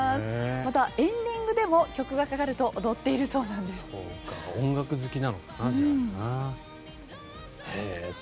また、エンディングでも曲がかかると踊っているそうなんです。